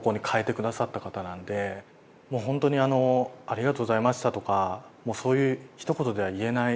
もう本当にあの「ありがとうございました」とかそういうひと言では言えない。